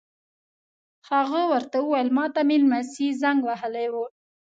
هغه ور ته وویل: ما ته مې نمسی زنګ وهلی و.